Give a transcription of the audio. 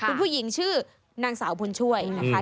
คุณผู้หญิงชื่อนางสาวบุญช่วยนะคะ